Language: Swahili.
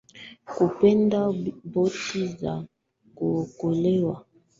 benjamin alisaidia wanawake na watoto kupanda boti za kuokolea